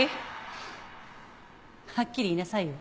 はっきり言いなさいよ。